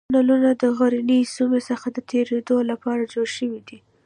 تونلونه د غرنیو سیمو څخه د تېرېدو لپاره جوړ شوي دي.